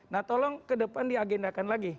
nah tolong ke depan di agendakan lagi